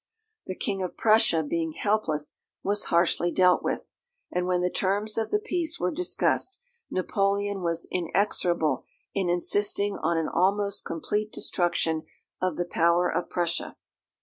The King of Prussia, being helpless, was harshly dealt with; and when the terms of the peace were discussed, Napoleon was inexorable in insisting on an almost complete destruction of the power of Prussia.